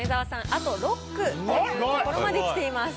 あと６句というところまできています。